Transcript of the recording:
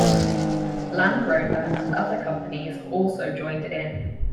Land Rover and other companies also joined in.